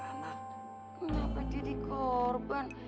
kenapa jadi korban